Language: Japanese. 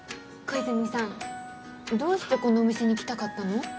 小泉さんどうしてこのお店に来たかったの？